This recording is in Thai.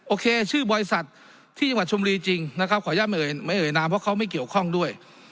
ชื่อบริษัทที่จังหวัดชมรีจริงนะครับขออนุญาตไม่เอ่ยนามเพราะเขาไม่เกี่ยวข้องด้วย